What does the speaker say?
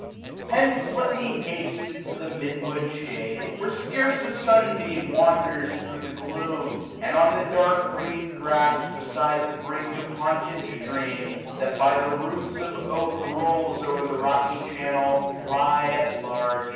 Hence, let me haste into the mid wood ^hade. Where scarce a sun beam wanders thro* the gloom ; 10 And on the dark green grass, beside the brink Of haunted stream, that by the roots of oak Rolls o*er the rocky channel, lie at large.